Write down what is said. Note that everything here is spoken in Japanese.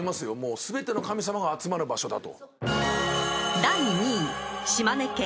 全ての神様が集まる場所だと。